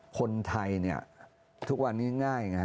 คนไทยเนี่ยทุกวันนี้ง่ายไงฮะ